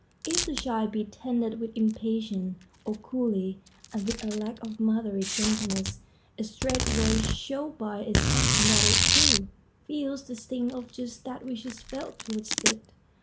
If the child be tended with impatience, or coolly and with a lack of motherly gentleness, it straightway shows by its action that it, too, feels the sting of just that which is felt towards it.